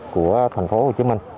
của thành phố hồ chí minh